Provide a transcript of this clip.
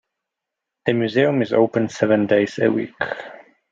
The museum is open seven days a week.